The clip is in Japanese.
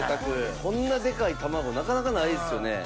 こんなデカい卵なかなかないですよね。